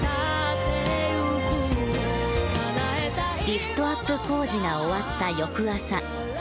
リフトアップ工事が終わった翌朝。